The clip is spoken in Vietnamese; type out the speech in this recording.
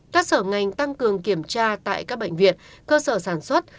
các sở ngành tăng cường kiểm tra tại các bệnh viện cơ sở sản xuất